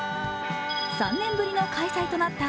３年ぶりの開催となった